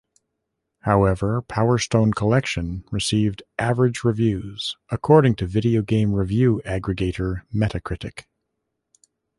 However, "Power Stone Collection" received "average" reviews according to video game review aggregator Metacritic.